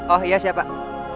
oh iya siap pak